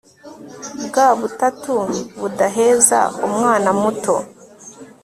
bwa butatu budaheza umwana muto